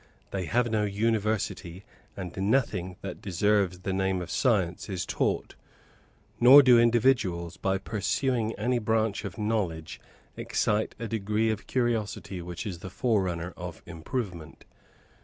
They have no university; and nothing that deserves the name of science is taught; nor do individuals, by pursuing any branch of knowledge, excite a degree of curiosity which is the forerunner of improvement.